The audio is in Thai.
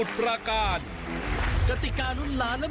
ไปลุ้นกันเลย